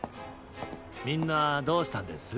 みんなどうしたんです？